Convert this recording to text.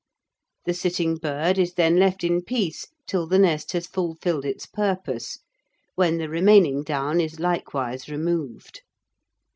The sitting bird is then left in peace till the nest has fulfilled its purpose, when the remaining down is likewise removed.